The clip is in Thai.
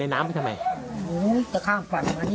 และมาทางให้นี้ว่าจะบันอย่างนั้นนั่นหรือปว่าระบัน